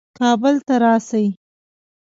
کابل ته راسي.